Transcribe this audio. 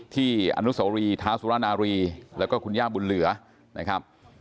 ที่อนุโสรีท้าสุรนารีแล้วก็คุณย่าบุญเหลือนะครับ